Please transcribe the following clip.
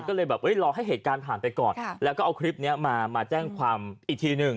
ก็เลยแบบรอให้เหตุการณ์ผ่านไปก่อนแล้วก็เอาคลิปนี้มามาแจ้งความอีกทีหนึ่ง